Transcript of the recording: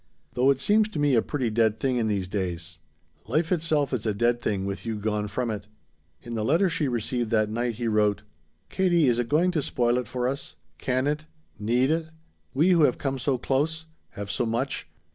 "Though it seems to me a pretty dead thing in these days. Life itself is a dead thing with you gone from it." In the letter she received that night he wrote: "Katie, is it going to spoil it for us? Can it? Need it? We who have come so close? Have so much?